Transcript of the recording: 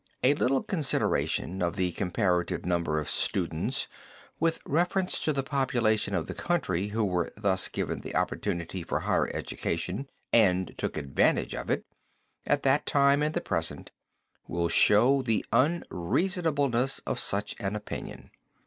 A little consideration of the comparative number of students with reference to the population of the country who were thus given the opportunity for higher education and took advantage of it at that time and the present, will show the unreasonableness of such an opinion.